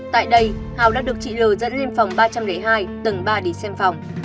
tại đây hào đã được chị l dẫn lên phòng ba trăm linh hai tầng ba để xem phòng